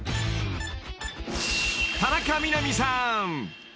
［田中みな実さん］